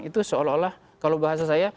itu seolah olah kalau bahasa saya